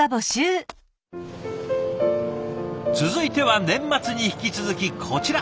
続いては年末に引き続きこちら。